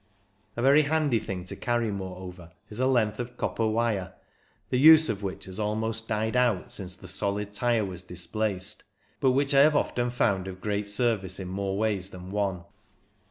A very handy thing to carry, moreover, is a length of copper wire, the use of which has almost died out since the solid tyre was displaced, but which I have often found of great service in more ways than one.